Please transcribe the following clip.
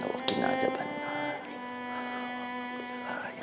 kau banyak tidak bisa belajar